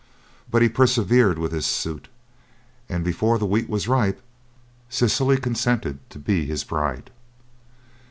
But he persevered with his suit, and before the wheat was ripe, Cecily consented to be his bride.